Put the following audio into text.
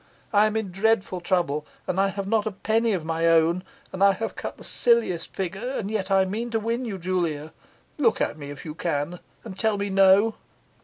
I am in dreadful trouble, and I have not a penny of my own, and I have cut the silliest figure; and yet I mean to win you, Julia. Look at me, if you can, and tell me no!